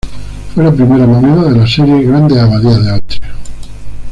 Fue la primera moneda de la serie "Grandes abadías de Austria".